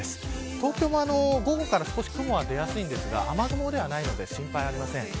東京も午後から少し雲が出やすいですが雨雲ではないので心配はありません。